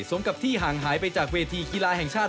สมกับที่ห่างหายไปจากเวทีกีฬาแห่งชาติ